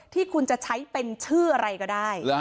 ที่คุณจะใช้เป็นชื่ออะไรก็ได้